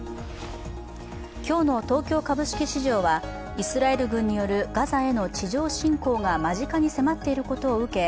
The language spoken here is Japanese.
今日の東京株式市場はイスラエル軍によるガザへの地上侵攻が間近に迫っていることを受け